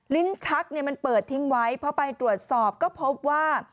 ลิ้นชักเนี่ยมันเปิดทิ้งไว้พอไปตรวจสอบก็พบว่า